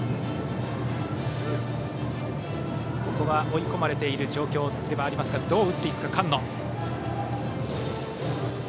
追い込まれている状況ではありますがどう打っていくか、菅野。